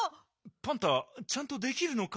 パンタちゃんとできるのか？